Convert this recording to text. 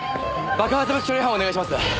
爆発物処理班をお願いします。